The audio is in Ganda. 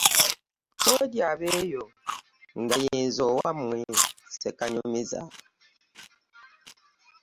Koddi abeyo ,nga yenze owamwe Ssekanyumiza .